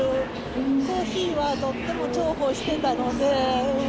コーヒーはとっても重宝してたので。